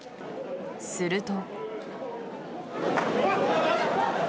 すると。